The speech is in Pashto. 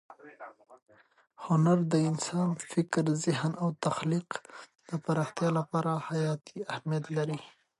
هنر د انسان د فکر، ذهن او تخلیق د پراختیا لپاره حیاتي اهمیت لري.